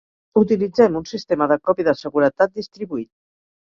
Utilitzem un sistema de còpia de seguretat distribuït.